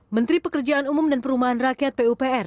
menteri pekerjaan umum dan perumahan rakyat pupr